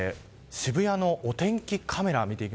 渋谷のお天気カメラです。